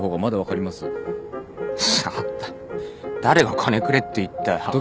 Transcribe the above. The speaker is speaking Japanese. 誰が金くれって言ったよ。